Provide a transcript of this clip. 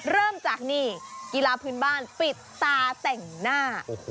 เริ่มจากนี่กีฬาพื้นบ้านปิดตาแต่งหน้า